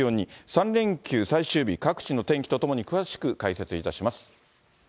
３連休最終日、各地の天気とともに詳しく解説いたします。